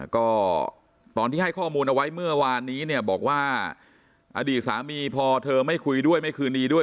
ก็ตอนที่ให้ข้อมูลเอาไว้เมื่อวานนี้เนี่ยบอกว่าอดีตสามีพอเธอไม่คุยด้วยไม่คืนดีด้วย